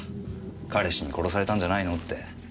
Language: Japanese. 彼氏に殺されたんじゃないのって。